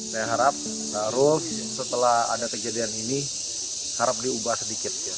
saya harap baru setelah ada kejadian ini harap diubah sedikit